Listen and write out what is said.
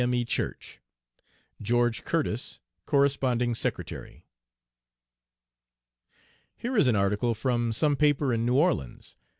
M.E. Church. GEO. CURTIS, Corresponding Secretary. Here is an article from some paper in New Orleans.